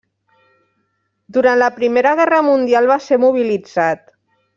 Durant la Primera Guerra Mundial va ser mobilitzat.